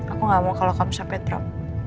aku gak mau kalau kamu sampai drop